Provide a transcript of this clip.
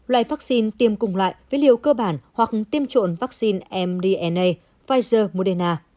loại vắc xin tiêm cùng loại với liêu cơ bản hoặc tiêm trộn vắc xin mrna pfizer moderna